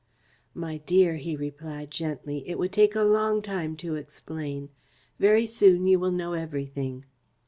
"My dear," he replied gently, "it would take a long time to explain. Very soon you will know everything."